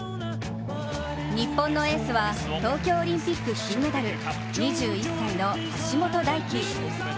日本のエースは、東京オリンピック金メダル２１歳の橋本大輝。